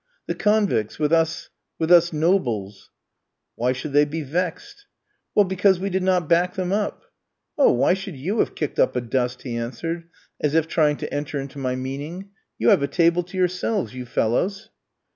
"The convicts with us with us nobles." "Why should they be vexed?" "Well, because we did not back them up." "Oh, why should you have kicked up a dust?" he answered, as if trying to enter into my meaning: "you have a table to yourselves, you fellows."